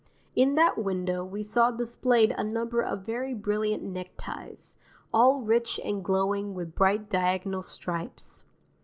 In that window we saw displayed a number of very brilliant neckties, all rich and glowing with bright diagonal stripes.